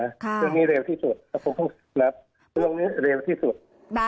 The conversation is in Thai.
เรื่องนี้เร็วที่สุดแล้วคงต้องรับเรื่องนี้เร็วที่สุด